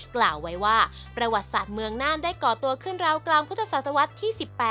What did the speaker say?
กล่าวไว้ว่าประวัติศาสตร์เมืองน่านได้ก่อตัวขึ้นราวกลางพุทธศาสตวรรษที่๑๘